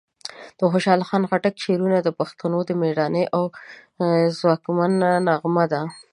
د خوشحال خان خټک شعرونه د پښتنو د مېړانې او ځواک نغمه ده.